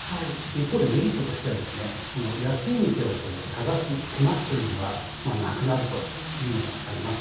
一方で、メリットとしては安い店を探す手間というのがなくなるというのがあります。